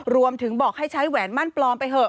รวมถึงบอกให้ใช้แหวนมั่นปลอมไปเถอะ